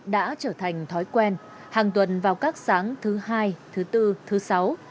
đã trở thành thói quen hàng tuần vào các sáng thứ hai thứ bốn thứ sáu